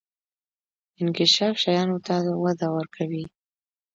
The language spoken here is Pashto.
انکشاف شیانو ته وده ورکوي.